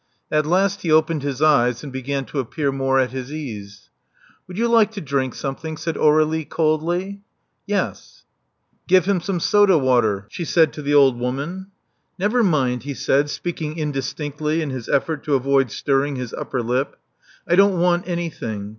At last he opened his eyes, and began to appear more at his ease. Would you like to drink something?" said Aur61ie, coldly. •*Yes." Give him some soda water," she said to the old woman. Never mind," he said, speaking indistinctly in his effort to avoid stirring his upper lip. I don't want anything.